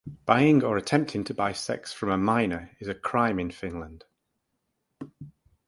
Buying or attempting to buy sex from a minor is a crime in Finland.